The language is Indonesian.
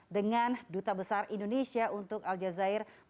dengan duta besar indonesia untuk aljazeera